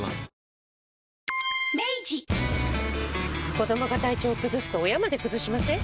子どもが体調崩すと親まで崩しません？